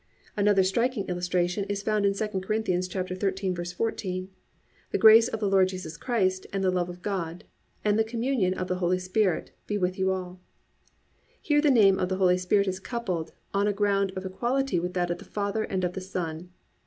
(3) Another striking illustration of this is found in II Corinthians 13:14: +"The grace of the Lord Jesus Christ, and the love of God, and the communion of the Holy Spirit, be with you all."+ Here the name of the Holy Spirit is coupled on a ground of equality with that of the Father and of the Son.